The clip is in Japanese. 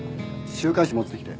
週刊誌持ってきて。